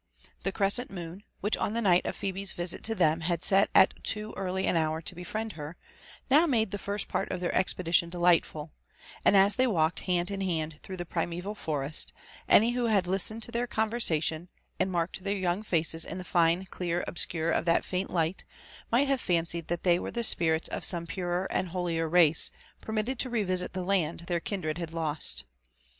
The crescent moon, whidh on the night of Phebe's visit to them had set al too early an hour to befriend her, now made tbe first part of their expedition delightful ^, and as they walked hand ifr hand through the primeval forest, any who had listened to their eovyersaf tion, and marked their young faces in the fine ckaa* odMcnre of Aat faint light, might have fancied that they w«re ttie q^rrits eC some purer and holier race, permitted torevisit the (and tbetr kindt ed had lost.